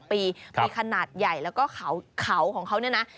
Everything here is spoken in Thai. ปีมีขนาดใหญ่แล้วก็เขาของเขาเนี่ยนะ